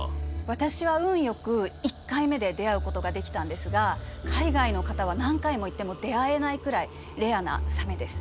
私は運よく１回目で出会うことができたんですが海外の方は何回も行っても出会えないくらいレアなサメです。